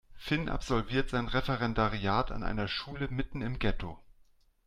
Finn absolviert sein Referendariat an einer Schule mitten im Ghetto.